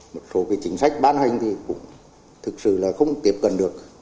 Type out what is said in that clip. một số chính sách ban hành thì cũng thực sự là không tiếp cận được